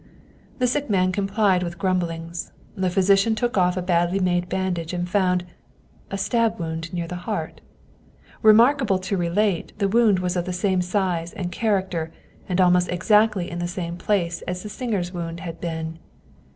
The sick man complied with grumblings. The physician took off a badly made bandage, and found a stab wound near the heart ! Remarkable to relate, the wound was of the same size and character, and almost exactly in the same place as the singer's wound had been.